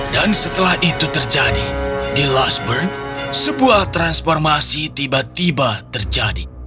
dan setelah itu terjadi di lusburn sebuah transformasi tiba tiba terjadi